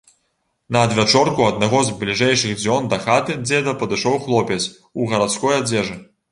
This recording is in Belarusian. На адвячорку аднаго з бліжэйшых дзён да хаты дзеда падышоў хлопец у гарадской адзежы.